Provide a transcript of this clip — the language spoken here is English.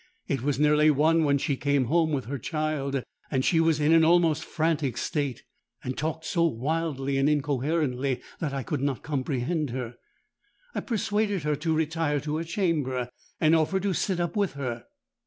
It was nearly one when she came home with her child. She was in almost a frantic state, and talked so wildly and incoherently that I could not comprehend her. I persuaded her to retire to her chamber, and offered to sit up with her.